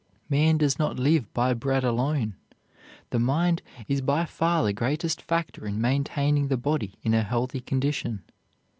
Man does not live by bread alone. The mind is by far the greatest factor in maintaining the body in a healthy condition.